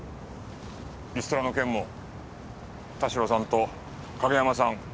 リストラの件も田代さんと景山さん